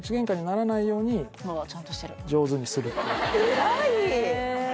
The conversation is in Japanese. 偉い！